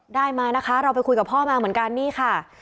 ได้มานะคะเราไปคุยกับพ่อมาเหมือนกันนี่ค่ะ